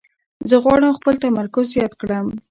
زه غواړم خپل تمرکز زیات کړم.